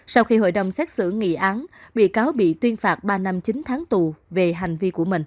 sau khi hội đồng xét xử nghị án bị cáo bị tuyên phạt ba năm chín tháng tù về hành vi của mình